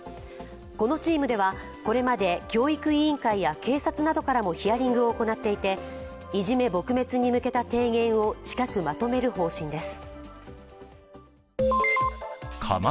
このチームではこれまで教育委員会や警察などからもヒアリングを行っていて、いじめ撲滅に向けた提言を近くまとめる方針です。